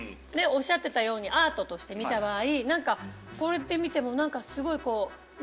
おっしゃってたようにアートとして見た場合何かこうやって見てもすごいこう。